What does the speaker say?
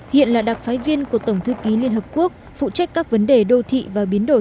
hiện là đặc phái viên của tổng thư ký liên hợp quốc phụ trách các vấn đề đô thị và biến đổi